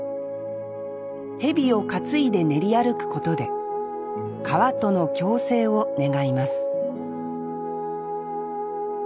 蛇を担いで練り歩くことで川との共生を願います